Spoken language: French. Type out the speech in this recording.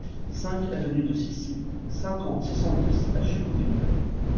cinq avenue de Scissy, cinquante, six cent dix à Jullouville